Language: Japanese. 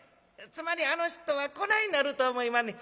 「つまりあの人はこないなると思いまんねん。